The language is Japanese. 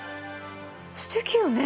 すてきよね。